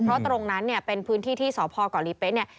เพราะตรงนั้นเนี่ยเป็นพื้นที่ที่สพเกาะลีเป๊ะเนี่ย